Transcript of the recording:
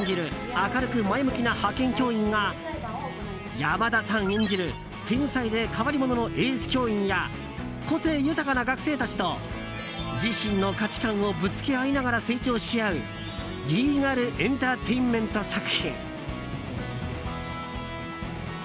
明るく前向きな派遣教員が山田さん演じる天才で変わり者のエース教員や個性豊かな学生たちと自身の価値観をぶつけ合いながら成長し合うリーガルエンターテインメント作品。